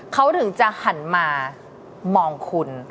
เขาถึงจะหันมามองคุณ